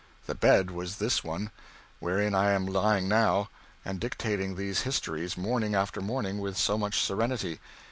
The bed was this one, wherein I am lying now, and dictating these histories morning after morning with so much serenity.